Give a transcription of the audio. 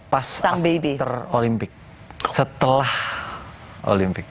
pas olimpik setelah olimpik